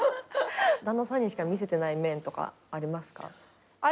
旦那さんにしか見せてない面とかありますか？